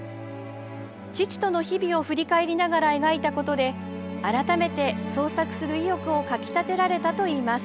父との日々を振り返りながら描いたことで改めて創作する意欲をかき立てられたといいます。